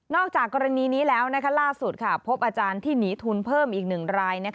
จากกรณีนี้แล้วล่าสุดพบอาจารย์ที่หนีทุนเพิ่มอีก๑ราย